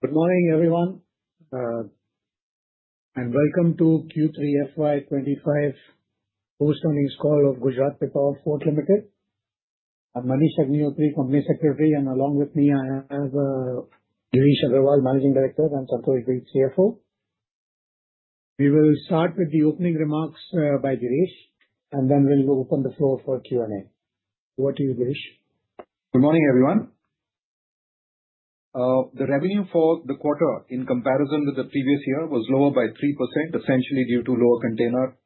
Good morning, everyone, and welcome to Q3 FY 2025 post-earnings call of Gujarat Pipavav Port Limited. I'm Manish Agnihotri, Company Secretary, and along with me, I have Girish Aggarwal, Managing Director, and Santosh Breed, CFO. We will start with the opening remarks by Girish, and then we'll open the floor for Q&A. Over to you, Girish. Good morning, everyone. The revenue for the quarter, in comparison with the previous year, was lower by 3%, essentially due to lower container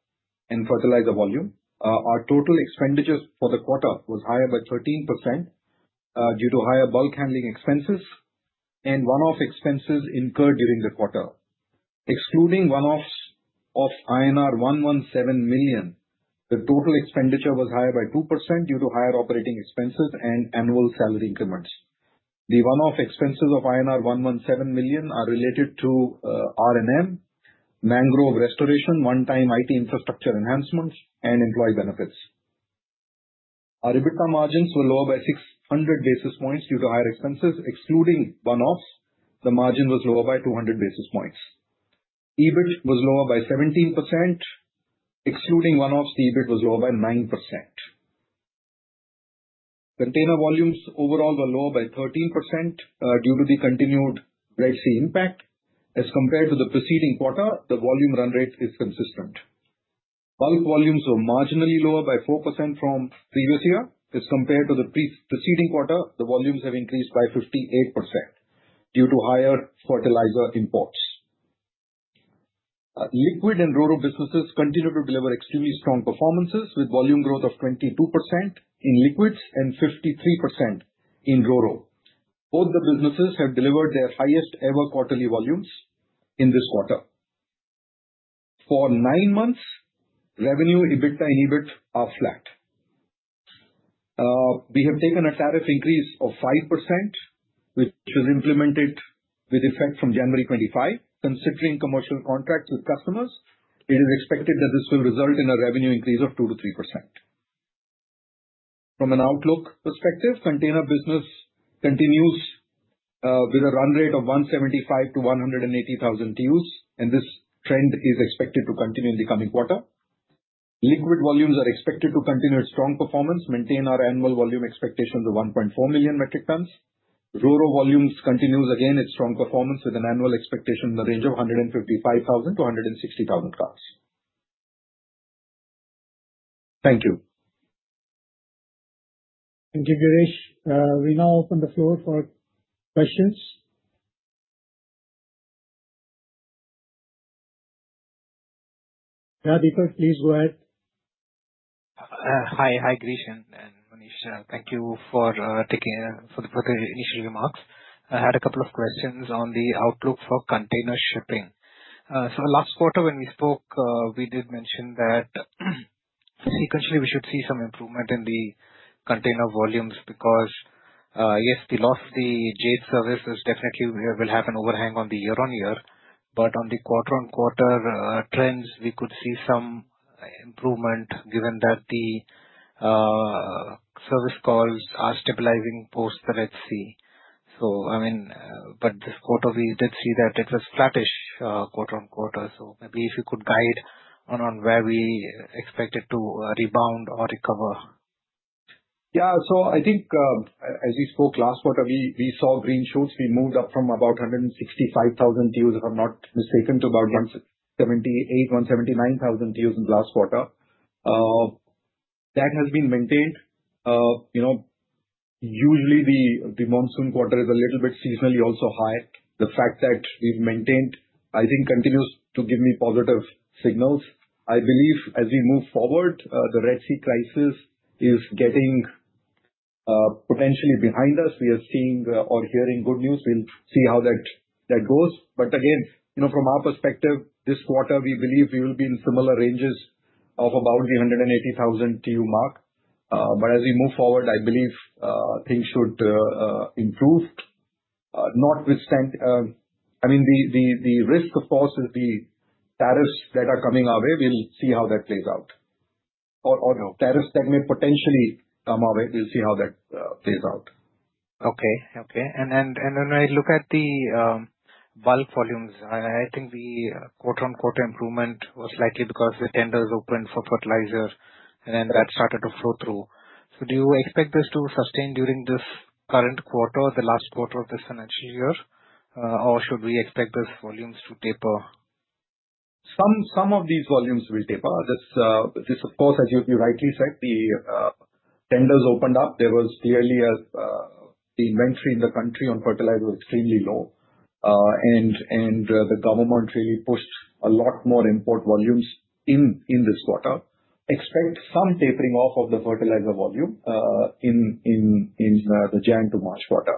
and fertilizer volume. Our total expenditures for the quarter were higher by 13% due to higher bulk handling expenses and one-off expenses incurred during the quarter. Excluding one-offs of INR 117 million, the total expenditure was higher by 2% due to higher operating expenses and annual salary increments. The one-off expenses of INR 117 million are related to R&M, mangrove restoration, one-time IT infrastructure enhancements, and employee benefits. Our EBITDA margins were lower by 600 basis points due to higher expenses. Excluding one-offs, the margin was lower by 200 basis points. EBIT was lower by 17%. Excluding one-offs, the EBIT was lower by 9%. Container volumes overall were lower by 13% due to the continued Red Sea impact. As compared to the preceding quarter, the volume run rate is consistent. Bulk volumes were marginally lower by 4% from the previous year. As compared to the preceding quarter, the volumes have increased by 58% due to higher fertilizer imports. Liquid and RORO businesses continue to deliver extremely strong performances, with volume growth of 22% in liquids and 53% in RORO. Both the businesses have delivered their highest-ever quarterly volumes in this quarter. For nine months, revenue, EBITDA, and EBIT are flat. We have taken a tariff increase of 5%, which was implemented with effect from January 25. Considering commercial contracts with customers, it is expected that this will result in a revenue increase of 2% to 3%. From an outlook perspective, the container business continues with a run rate of 175,000 to 180,000 TEUs, and this trend is expected to continue in the coming quarter. Liquid volumes are expected to continue with strong performance, maintaining our annual volume expectation of 1.4 million metric tons. RORO volumes continue again with strong performance, with an annual expectation in the range of 155,000 to 160,000 cars. Thank you. Thank you, Girish. We now open the floor for questions. Yeah, Deepak, please go ahead. Hi, hi, Girish and Manish. Thank you for taking for the initial remarks. I had a couple of questions on the outlook for container shipping. So last quarter, when we spoke, we did mention that sequentially we should see some improvement in the container volumes because, yes, the loss of the Jade Service definitely will have an overhang on the year-on-year. But on the quarter-on-quarter trends, we could see some improvement given that the service calls are stabilizing post the Red Sea. So, I mean, but this quarter, we did see that it was flattish quarter-on-quarter. So maybe if you could guide on where we expected to rebound or recover. Yeah, so I think as we spoke last quarter, we saw green shoots. We moved up from about 165,000 TEUs, if I'm not mistaken, to about 178,000, 179,000 TEUs in the last quarter. That has been maintained. Usually, the monsoon quarter is a little bit seasonally also high. The fact that we've maintained, I think, continues to give me positive signals. I believe as we move forward, the Red Sea crisis is getting potentially behind us. We are seeing or hearing good news. We'll see how that goes. But again, from our perspective, this quarter, we believe we will be in similar ranges of about the 180,000 TEU mark. But as we move forward, I believe things should improve. Notwithstanding, I mean, the risk, of course, is the tariffs that are coming our way. We'll see how that plays out. Or tariffs that may potentially come our way. We'll see how that plays out. Okay, okay, and when I look at the bulk volumes, I think the quarter-on-quarter improvement was likely because the tenders opened for fertilizer, and then that started to flow through, so do you expect this to sustain during this current quarter, the last quarter of this financial year, or should we expect these volumes to taper? Some of these volumes will taper. This, of course, as you rightly said, the tenders opened up. There was clearly the inventory in the country on fertilizer was extremely low, and the government really pushed a lot more import volumes in this quarter. Expect some tapering off of the fertilizer volume in the January to March quarter,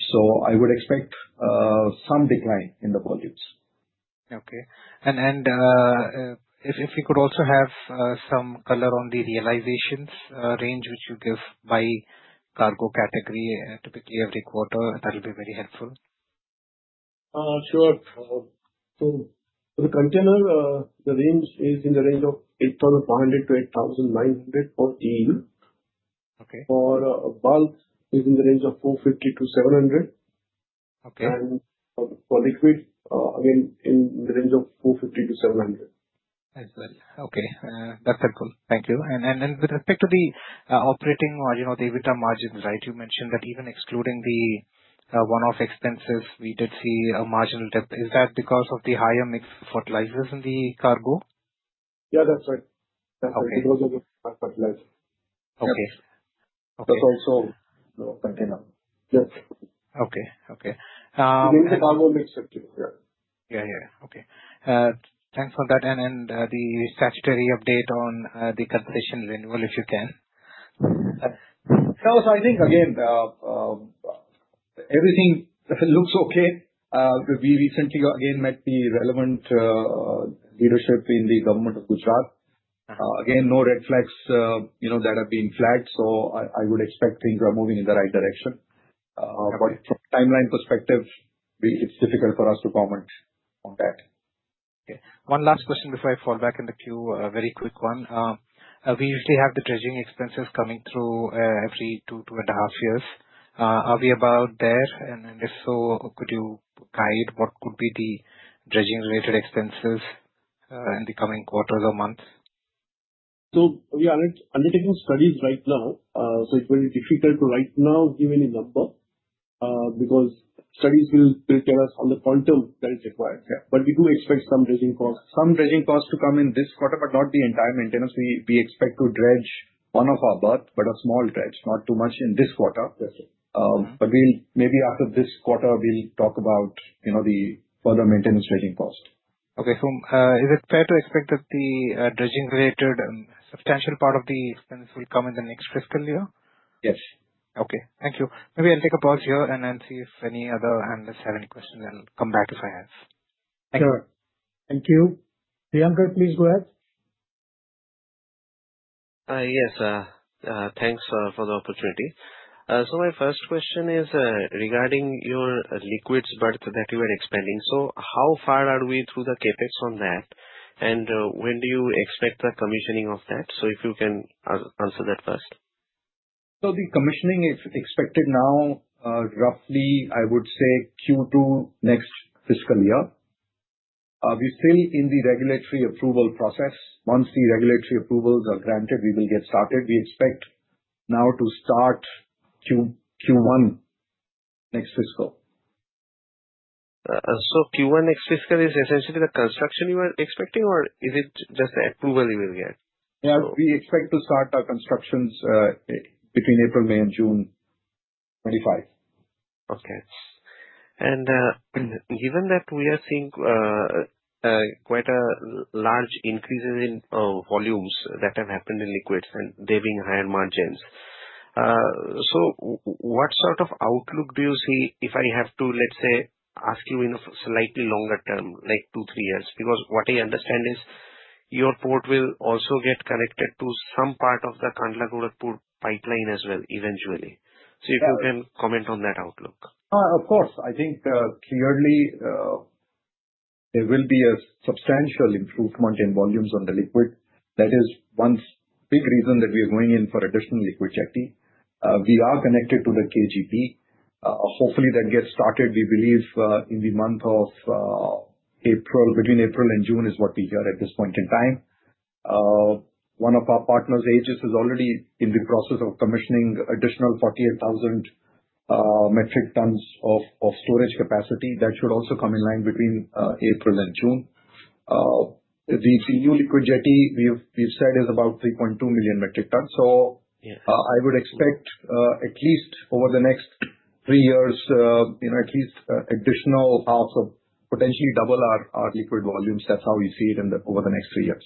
so I would expect some decline in the volumes. Okay, and if we could also have some color on the realizations range, which you give by cargo category typically every quarter, that will be very helpful. Sure. So for the container, the range is in the range of 8,400-8,900 TEU. Okay. For bulk, it's in the range of 450-700. Okay. And for liquid, again, in the range of 450-700. As well. Okay. That's helpful. Thank you. And with respect to the operating margin, the EBITDA margins, right, you mentioned that even excluding the one-off expenses, we did see a marginal dip. Is that because of the higher mix of fertilizers in the cargo? Yeah, that's right. That's right. Because of the high fertilizer. Okay. Okay. That's also the container. Yes. Okay, okay. In the cargo mix sector, yeah. Yeah, yeah. Okay. Thanks for that. And the statutory update on the concession renewal, if you can. No, so I think, again, everything looks okay. We recently again met the relevant leadership in the Government of Gujarat. Again, no red flags that have been flagged. So I would expect things are moving in the right direction. But from a timeline perspective, it's difficult for us to comment on that. Okay. One last question before I fall back in the queue, a very quick one. We usually have the dredging expenses coming through every two, two and a half years. Are we about there? And if so, could you guide what could be the dredging-related expenses in the coming quarters or months? So we are undertaking studies right now. So it will be difficult to right now give any number because studies will tell us on the quantum that is required. But we do expect some dredging costs. Some dredging costs to come in this quarter, but not the entire maintenance. We expect to dredge one of our berths, but a small dredge, not too much in this quarter. But maybe after this quarter, we'll talk about the further maintenance dredging cost. Okay. Is it fair to expect that the dredging-related substantial part of the expense will come in the next fiscal year? Yes. Okay. Thank you. Maybe I'll take a pause here and then see if any other analysts have any questions. I'll come back if I have. Thank you. Sure. Thank you. Priyankar, please go ahead. Yes. Thanks for the opportunity. My first question is regarding your liquids berth that you are expanding. How far are we through the CapEx on that? And when do you expect the commissioning of that? If you can answer that first. So the commissioning is expected now, roughly, I would say, Q2 next fiscal year. We're still in the regulatory approval process. Once the regulatory approvals are granted, we will get started. We expect now to start Q1 next fiscal. So Q1 next fiscal is essentially the construction you are expecting, or is it just the approval you will get? Yeah, we expect to start our constructions between April, May, and June 2025. Okay. Given that we are seeing quite a large increase in volumes that have happened in liquids and they're being higher margins, what sort of outlook do you see if I have to, let's say, ask you in a slightly longer term, like two, three years? Because what I understand is your port will also get connected to some part of the Kandla-Gorakhpur Pipeline as well eventually. If you can comment on that outlook. Of course. I think clearly there will be a substantial improvement in volumes on the liquid. That is one big reason that we are going in for additional liquid jetty. We are connected to the KGP. Hopefully, that gets started. We believe in the month of April, between April and June is what we hear at this point in time. One of our partners, Aegis, is already in the process of commissioning additional 48,000 metric tons of storage capacity. That should also come in line between April and June. The new liquid jetty, we've said, is about 3.2 million metric tons. So I would expect at least over the next three years, at least additional half of potentially double our liquid volumes. That's how we see it over the next three years.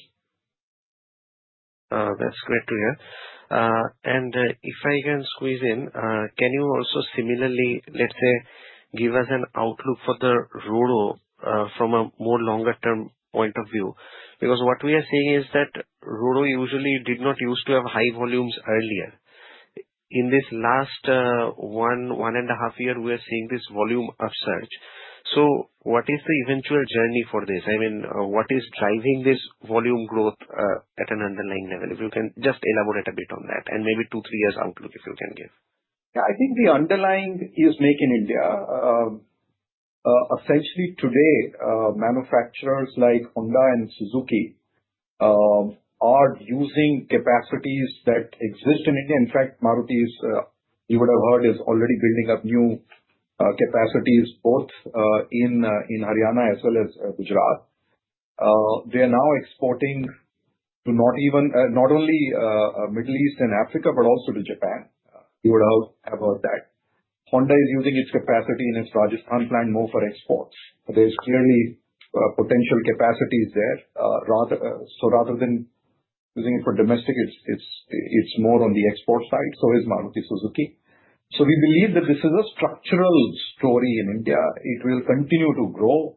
That's great to hear. And if I can squeeze in, can you also similarly, let's say, give us an outlook for the RORO from a more longer-term point of view? Because what we are seeing is that RORO usually did not use to have high volumes earlier. In this last one and a half year, we are seeing this volume upsurge. So what is the eventual journey for this? I mean, what is driving this volume growth at an underlying level? If you can just elaborate a bit on that and maybe two, three years outlook, if you can give. Yeah, I think the underlying is Make in India. Essentially today, manufacturers like Honda and Suzuki are using capacities that exist in India. In fact, Maruti, you would have heard, is already building up new capacities both in Haryana as well as Gujarat. They are now exporting to not only Middle East and Africa, but also to Japan. You would have heard that. Honda is using its capacity in its Rajasthan plant more for exports. There's clearly potential capacities there. Rather than using it for domestic, it's more on the export side. So is Maruti Suzuki. We believe that this is a structural story in India. It will continue to grow.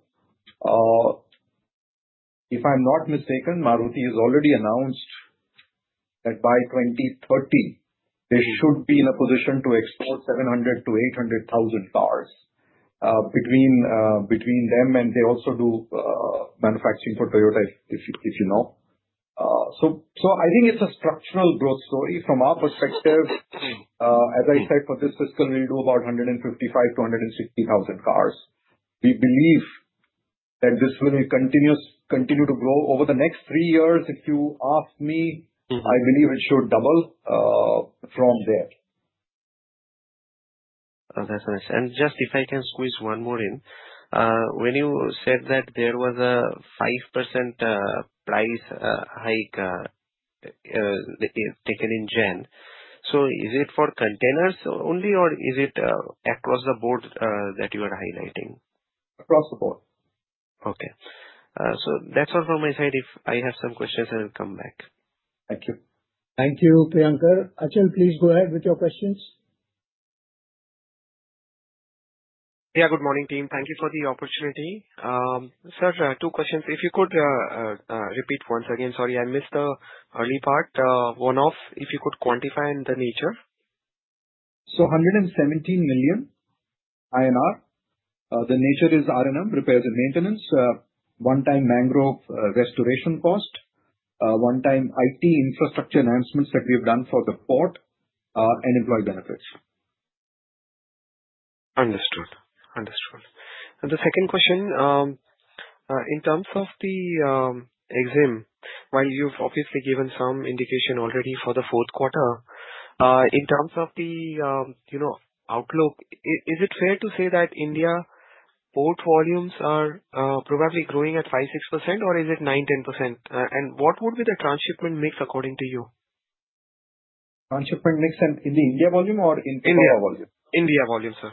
If I'm not mistaken, Maruti has already announced that by 2030, they should be in a position to export 700,000-800,000 cars between them. They also do manufacturing for Toyota, if you know. So I think it's a structural growth story. From our perspective, as I said, for this fiscal, we'll do about 155,000-160,000 cars. We believe that this will continue to grow over the next three years. If you ask me, I believe it should double from there. That's nice. And just if I can squeeze one more in, when you said that there was a 5% price hike taken in January, so is it for containers only, or is it across the board that you are highlighting? Across the board. Okay. So that's all from my side. If I have some questions, I will come back. Thank you. Thank you, Priyankar. Achal, please go ahead with your questions. Yeah, good morning, team. Thank you for the opportunity. Sir, two questions. If you could repeat once again, sorry, I missed the early part. One off, if you could quantify the nature. So, 117 million INR. The nature is R&M, repairs and maintenance, one-time mangrove restoration cost, one-time IT infrastructure enhancements that we have done for the port, and employee benefits. Understood. Understood. And the second question, in terms of the EXIM, while you've obviously given some indication already for the fourth quarter, in terms of the outlook, is it fair to say that India port volumes are probably growing at 5-6%, or is it 9-10%? And what would be the transshipment mix according to you? Transshipment mix in the India volume or in? India volume. India volume, sir.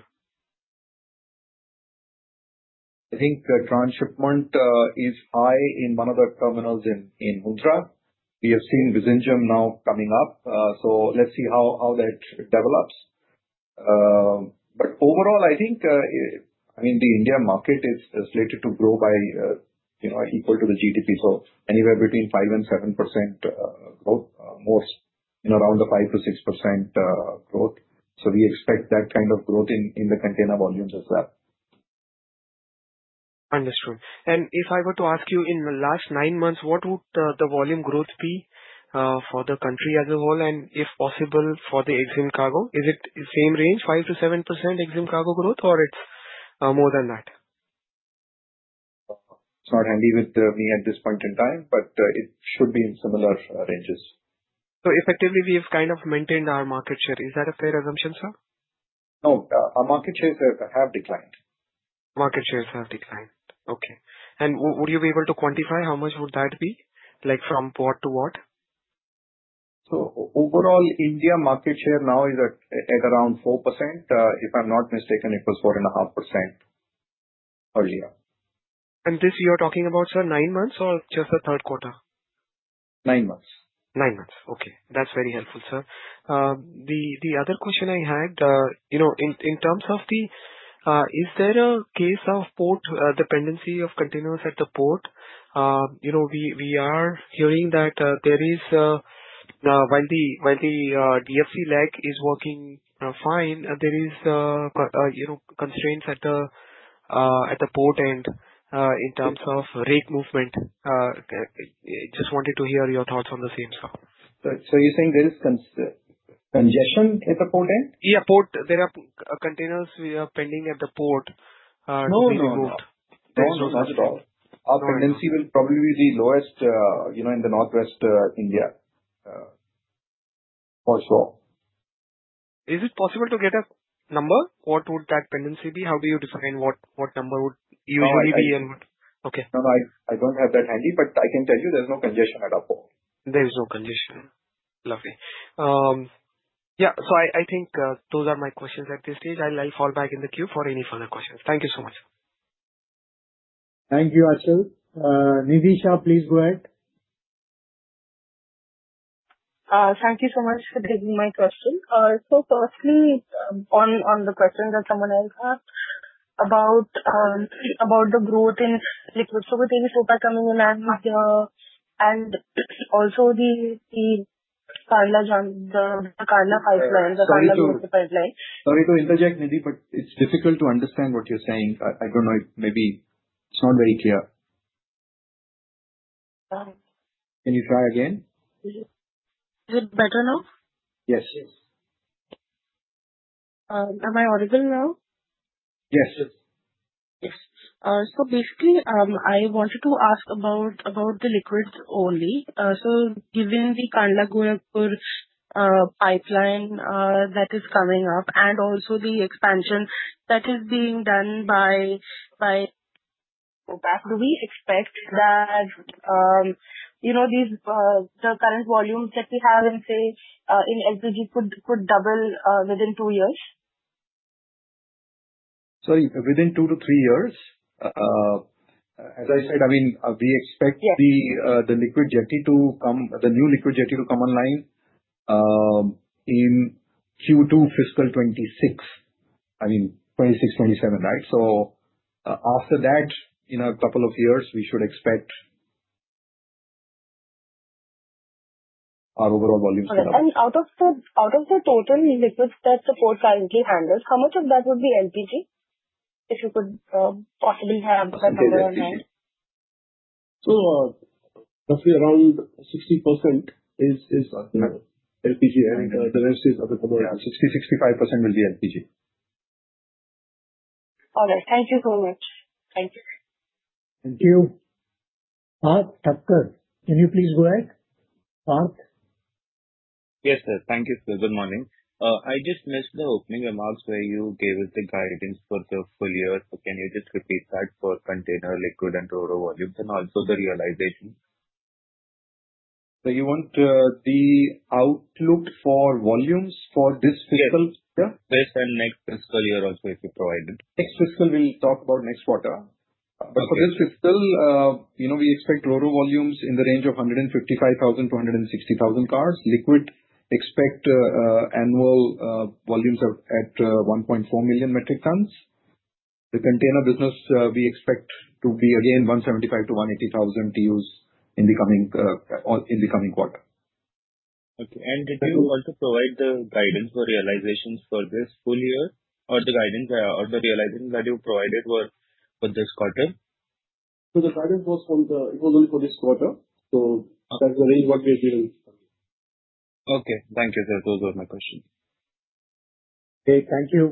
I think the transshipment is high in one of the terminals in Mundra. We have seen Vizhinjam now coming up. So let's see how that develops. But overall, I think, I mean, the India market is slated to grow by equal to the GDP. So anywhere between 5%-7% growth, most in around the 5%-6% growth. So we expect that kind of growth in the container volumes as well. Understood. And if I were to ask you in the last nine months, what would the volume growth be for the country as a whole and if possible for the EXIM cargo? Is it the same range, 5%-7% EXIM cargo growth, or it's more than that? It's not handy with me at this point in time, but it should be in similar ranges. So effectively, we have kind of maintained our market share. Is that a fair assumption, sir? No. Our market shares have declined. Market shares have declined. Okay. And would you be able to quantify how much would that be, like from port to port? So overall, India market share now is at around 4%. If I'm not mistaken, it was 4.5% earlier. This you are talking about, sir, nine months or just the third quarter? Nine months. Nine months. Okay. That's very helpful, sir. The other question I had, in terms of the, is there a case of port pendency of containers at the port? We are hearing that there is, while the DFC leg is working fine, there are constraints at the port end in terms of rail movement. Just wanted to hear your thoughts on the same, sir. So you're saying there is congestion at the port end? Yeah, port. There are containers pending at the port to be removed. No, not at all. Our tendency will probably be the lowest in the Northwest India for sure. Is it possible to get a number? What would that tendency be? How do you define what number would usually be and what? No, no. I don't have that handy, but I can tell you there's no congestion at our port. There is no congestion. Lovely. Yeah. So I think those are my questions at this stage. I'll fall back in the queue for any further questions. Thank you so much. Thank you, Achal. Nidhi Shah, please go ahead. Thank you so much for taking my question. So firstly, on the question that someone else asked about the growth in liquids, so with Aegis Vopak coming in and also the Kandla Pipeline, the Kandla-Gorakhpur Pipeline. Sorry to interject, Nidhi, but it's difficult to understand what you're saying. I don't know. Maybe it's not very clear. Can you try again? Is it better now? Yes. Am I audible now? Yes. Yes. So basically, I wanted to ask about the liquids only. So, given the Kandla-Gorakhpur Pipeline that is coming up and also the expansion that is being done, do we expect that the current volumes that we have in, say, in LPG could double within two years? Sorry, within two to three years. As I said, I mean, we expect the liquid jetty to come, the new liquid jetty to come online in Q2 fiscal 26, I mean, 26, 27, right? So after that, in a couple of years, we should expect our overall volumes to double. Out of the total liquids that the port currently handles, how much of that would be LPG? If you could possibly have that number on hand. So roughly around 60% is LPG, and the rest is other liquids. Yes, 60%-65% will be LPG. All right. Thank you so much. Thank you. Thank you. Parth Thakkar, can you please go ahead? Yes, sir. Thank you, sir. Good morning. I just missed the opening remarks where you gave us the guidance for the full year. So can you just repeat that for container, liquid, and RORO volumes, and also the realization? You want the outlook for volumes for this fiscal year? Yes. This and next fiscal year also, if you provide it. Next fiscal, we'll talk about next quarter. But for this fiscal, we expect RORO volumes in the range of 155,000-160,000 cars. Liquid, expect annual volumes at 1.4 million metric tons. The container business, we expect to be again 175,000-180,000 TEUs in the coming quarter. Okay. And did you also provide the guidance or realizations for this full year or the guidance or the realizations that you provided for this quarter? So the guidance was for the. It was only for this quarter. So that's the range what we have given. Okay. Thank you, sir. Those were my questions. Okay. Thank you.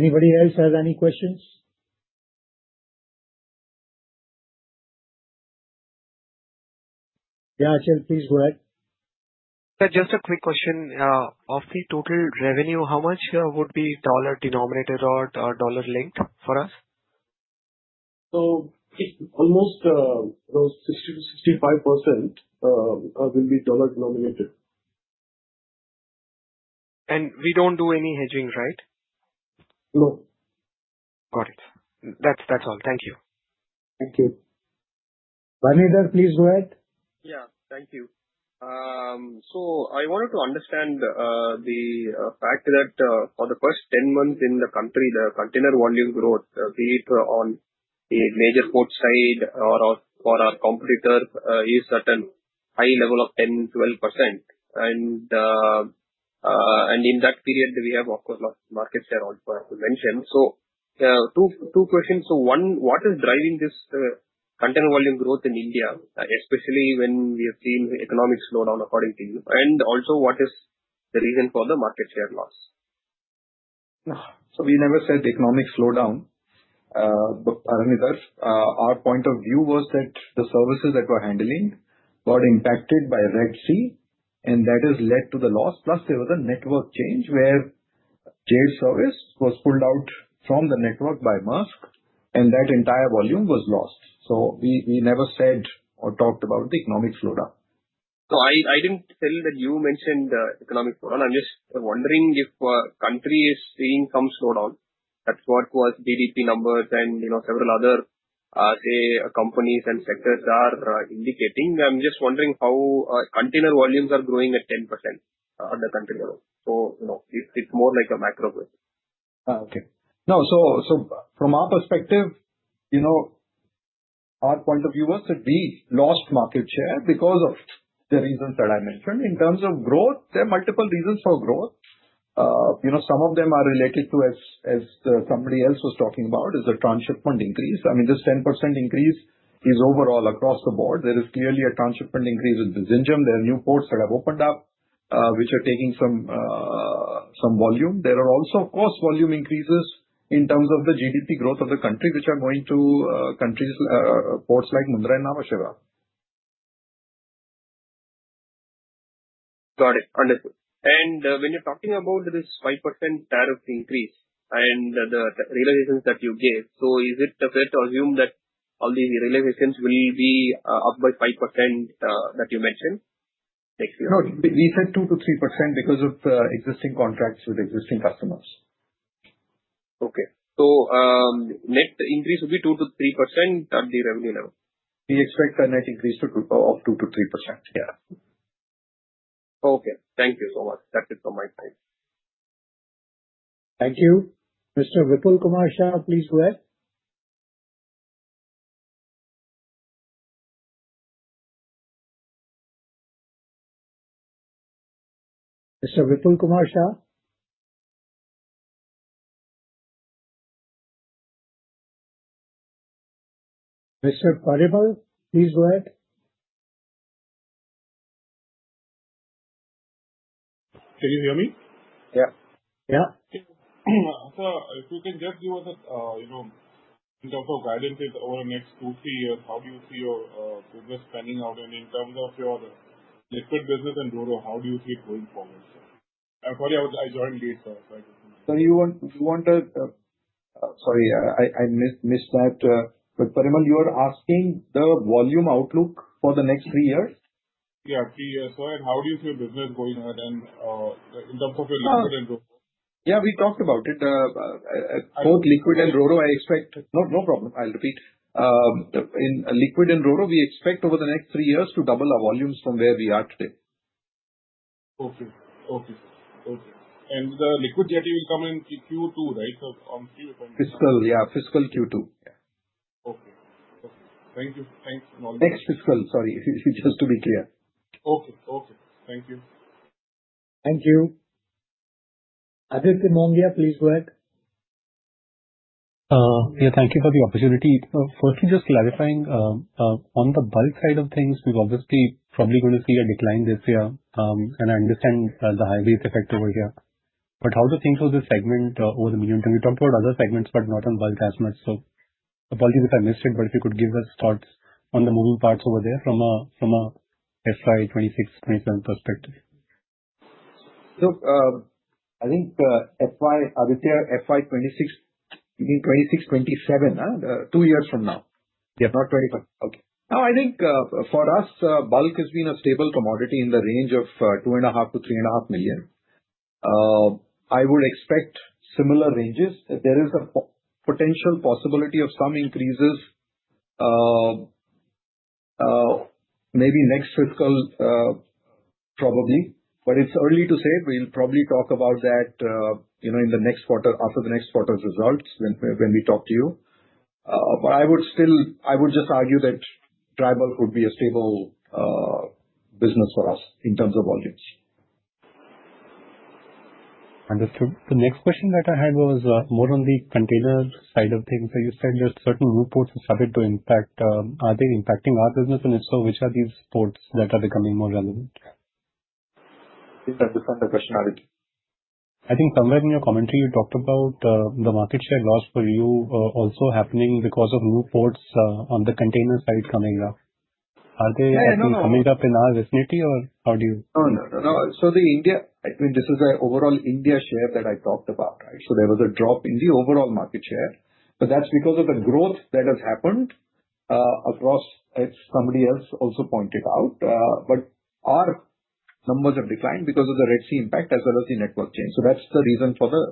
Anybody else have any questions? Yeah, Achal, please go ahead. Sir, just a quick question. Of the total revenue, how much would be dollar denominated or dollar linked for us? Almost those 60%-65% will be dollar denominated. We don't do any hedging, right? No. Got it. That's all. Thank you. Thank you. Bharanidhar, please go ahead. Yeah. Thank you. So I wanted to understand the fact that for the first 10 months in the country, the container volume growth, be it on the major port side or for our competitor, is at a high level of 10%-12%. And in that period, we have market share also as we mentioned. So two questions. So one, what is driving this container volume growth in India, especially when we have seen economic slowdown according to you? And also, what is the reason for the market share loss? So we never said economic slowdown, but per media, our point of view was that the services that we're handling got impacted by Red Sea, and that has led to the loss. Plus, there was a network change where Jade Service was pulled out from the network by Maersk, and that entire volume was lost. So we never said or talked about the economic slowdown. I didn't tell that you mentioned the economic slowdown. I'm just wondering if the country is seeing some slowdown. That's what was GDP numbers and several other, say, companies and sectors are indicating. I'm just wondering how container volumes are growing at 10% on the country level. It's more like a macro growth. Okay. No, so from our perspective, our point of view was that we lost market share because of the reasons that I mentioned. In terms of growth, there are multiple reasons for growth. Some of them are related to, as somebody else was talking about, is the transshipment increase. I mean, this 10% increase is overall across the board. There is clearly a transshipment increase in Vizhinjam. There are new ports that have opened up, which are taking some volume. There are also, of course, volume increases in terms of the GDP growth of the country, which are going to countries, ports like Mundra and Nhava Sheva. Got it. Understood. And when you're talking about this 5% tariff increase and the realizations that you gave, so is it fair to assume that all these realizations will be up by 5% that you mentioned next year? No, we said 2%-3% because of existing contracts with existing customers. Okay, so net increase would be 2%-3% at the revenue level? We expect a net increase of 2%-3%, yeah. Okay. Thank you so much. That's it from my side. Thank you. Mr. Vipulkumar Shah, please go ahead. Mr. Vipulkumar Shah. Mr. Parimal, please go ahead. Can you hear me? Yeah. Yeah. So if you can just give us in terms of guidance over the next two, three years, how do you see your business panning out? And in terms of your liquid business and RORO, how do you see it going forward? I'm sorry, I joined late. Sorry, I missed that. But Parimal, you are asking the volume outlook for the next three years? Yeah, three years. So how do you see your business going ahead in terms of your liquid and RORO? Yeah, we talked about it. Both liquid and RORO, I expect, no, no problem. I'll repeat. In liquid and RORO, we expect over the next three years to double our volumes from where we are today. And the liquid jetty will come in Q2, right? So on Q2. Fiscal, yeah. Fiscal Q2. Yeah. Okay. Okay. Thank you. Thanks for all the— Next fiscal, sorry, just to be clear. Okay. Okay. Thank you. Thank you. Aditya Mongia, please go ahead. Yeah, thank you for the opportunity. Firstly, just clarifying, on the bulk side of things, we've obviously probably going to see a decline this year. And I understand the high base effect over here. But how to think through this segment over the medium term? We talked about other segments, but not on bulk as much. So apologies if I missed it, but if you could give us thoughts on the moving parts over there from an FY 2026, FY 2027 perspective. Look, I think FY—I would say FY 2026, 2026, 2027, two years from now. Not 25. Okay. No, I think for us, bulk has been a stable commodity in the range of 2.5-3.5 million. I would expect similar ranges. There is a potential possibility of some increases, maybe next fiscal, probably. But it's early to say. We'll probably talk about that in the next quarter, after the next quarter's results, when we talk to you. But I would just argue that bulk could be a stable business for us in terms of volumes. Understood. The next question that I had was more on the container side of things. So you said there's certain new ports that started to impact. Are they impacting our business? And if so, which are these ports that are becoming more relevant? Yeah. I didn’t understand the question, Aditya. I think somewhere in your commentary, you talked about the market share loss for you also happening because of new ports on the container side coming up. Are they actually coming up in our vicinity, or how do you? No, no, no, no. So the India, I mean, this is the overall India share that I talked about, right? So there was a drop in the overall market share. But that's because of the growth that has happened across, as somebody else also pointed out. But our numbers have declined because of the Red Sea impact as well as the network change. So that's the reason for the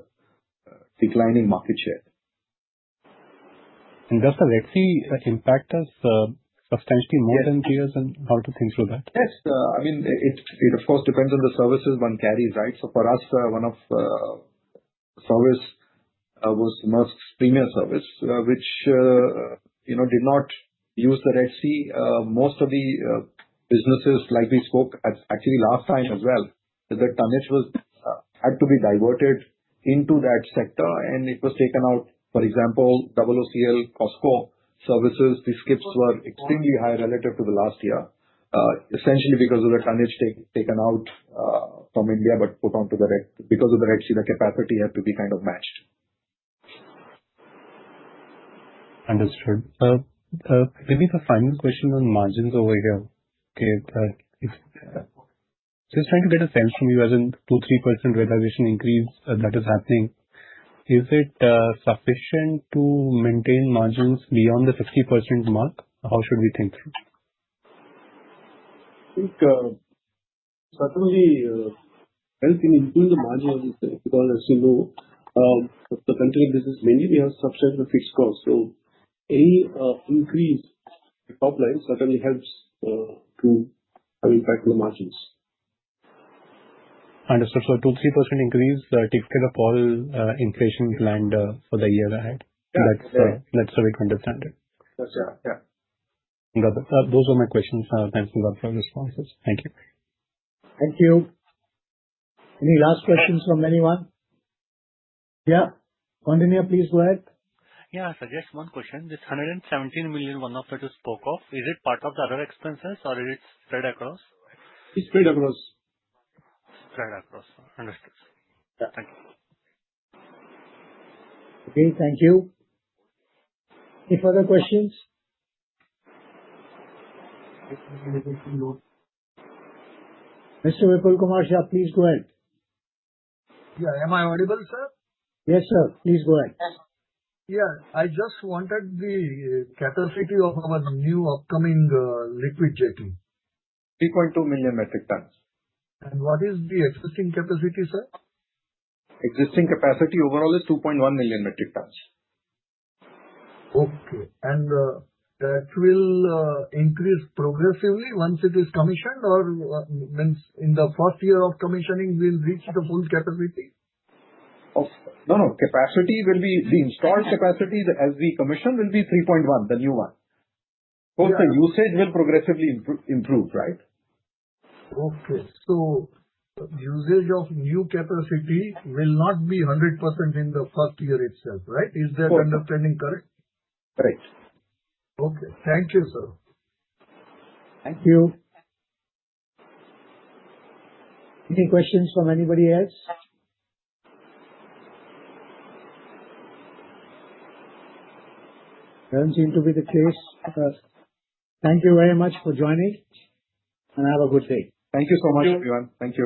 declining market share. Does the Red Sea impact us substantially more than three years? How to think through that? Yes. I mean, it of course depends on the services one carries, right? So, for us, one of the services was Maersk's premier service, which did not use the Red Sea. Most of the businesses, like we spoke actually last time as well, the tonnage had to be diverted into that sector, and it was taken out. For example, OOCL, COSCO services, the ships were extremely high relative to the last year, essentially because of the tonnage taken out from India but put onto the Red Sea. Because of the Red Sea, the capacity had to be kind of matched. Understood. Maybe the final question on margins over here. Just trying to get a sense from you as in 2-3% realization increase that is happening. Is it sufficient to maintain margins beyond the 50% mark? How should we think through? I think certainly helping improve the margin of this because, as you know, the container business, mainly we have subsidized the fixed costs. So any increase in top line certainly helps to have impact on the margins. Understood. So 2-3% increase takes care of all inflation planned for the year ahead. That's the way to understand it. That's yeah. Yeah. Got it. Those were my questions. Thanks for your responses. Thank you. Thank you. Any last questions from anyone? Yeah. Koundinya, please go ahead. Yeah. So just one question. This 117 million, one of it you spoke of, is it part of the other expenses, or is it spread across? It's spread across. Spread across. Understood. Thank you. Okay. Thank you. Any further questions? Mr. Vipulkumar Shah, please go ahead. Yeah. Am I audible, sir? Yes, sir. Please go ahead. Yeah. I just wanted the capacity of our new upcoming liquid jetty. 3.2 million metric tons. What is the existing capacity, sir? Existing capacity overall is 2.1 million metric tons. Okay. And that will increase progressively once it is commissioned or means in the first year of commissioning, we'll reach the full capacity? No, no. Capacity will be the installed capacity as we commission will be 3.1, the new one. Both the usage will progressively improve, right? Usage of new capacity will not be 100% in the first year itself, right? Is that understanding, correct? Correct. Okay. Thank you, sir. Thank you. Any questions from anybody else? Doesn't seem to be the case. Thank you very much for joining and have a good day. Thank you so much, everyone. Thank you.